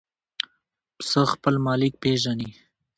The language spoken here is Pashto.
پسه خپل مالک پېژني.